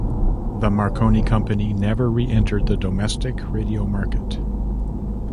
The Marconi Company never re-entered the domestic radio market.